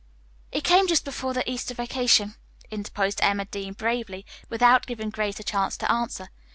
"It came just before the Easter vacation," interposed Emma Dean bravely, without giving Grace a chance to answer.